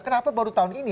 kenapa baru tahun ini